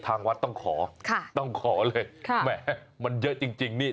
ทางวัดต้องขอค่ะต้องขอเลยค่ะแหมมันเยอะจริงนี่